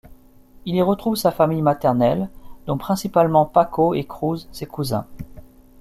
Il y retrouve sa famille maternelle, dont principalement Paco et Cruz, ses cousins.